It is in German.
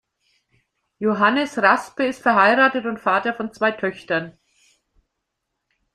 Johannes Raspe ist verheiratet und Vater von zwei Töchtern.